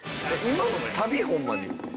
今のサビ？ホンマに。